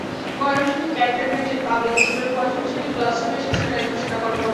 Mymensingh cantonment public স্কুলের পঞ্চম শ্রেণির ক্লাসরুমে এসেছিলেন একজন সেনা কর্মকর্তা।